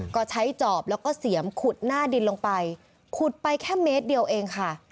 ก็ใช้จอบแล้วก็เสียมขุดหน้าดินลงไปขุดไปแค่เมตรเดียวเองค่ะ